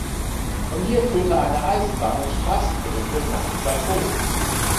Von hier führt eine Eisenbahn- und Straßenbrücke nach Plateau.